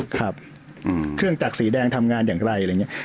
เครื่องจักษ์สีแดงทำงานอย่างไร